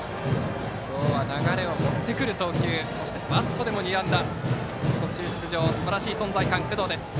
今日は流れを持ってくる投球そしてバットでも２安打途中出場ですばらしい存在感の工藤です。